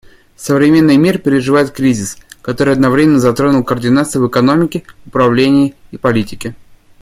Современный мир переживает кризис, который одновременно затронул координацию в экономике, управлении и политике.